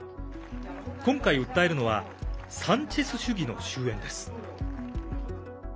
今回、訴えるのはサンチェス主義の終えんです。